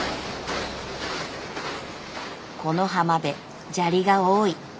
この浜辺砂利が多い。